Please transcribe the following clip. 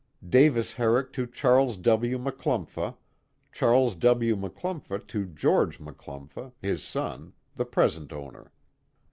Davis Herrick to Charles W. McClumpha. Charles W. McClumpha to George McClumpha, his son. the present owner.